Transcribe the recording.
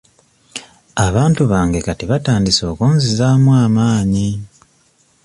Abantu bange kati batandise okunzizaamu amaanyi.